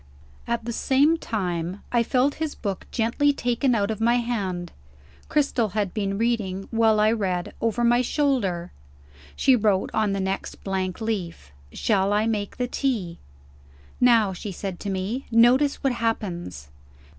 At the same time, I felt his book gently taken out of my hand. Cristel had been reading, while I read, over my shoulder. She wrote on the next blank leaf: "Shall I make the tea?" "Now," she said to me, "notice what happens."